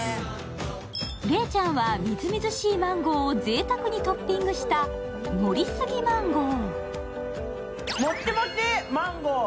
礼ちゃんは、みずみずしいマンゴーをぜいたくにトッピングした盛りすぎマンゴー。